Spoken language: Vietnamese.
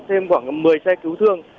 thêm khoảng một mươi xe cứu thương